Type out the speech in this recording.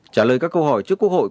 trả lời các câu hỏi trước quốc hội